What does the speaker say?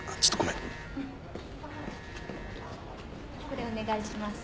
これお願いします。